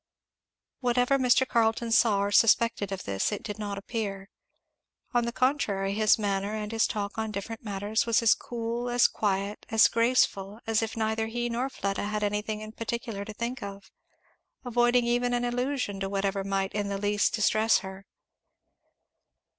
Whatever Mr. Carleton saw or suspected of this, it did not appear. On the contrary his manner and his talk on different matters was as cool, as quiet, as graceful, as if neither he nor Fleda had anything particular to think of; avoiding even an allusion to whatever might in the least distress her.